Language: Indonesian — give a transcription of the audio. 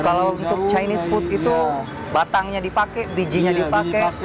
kalau untuk chinese food itu batangnya dipakai bijinya dipakai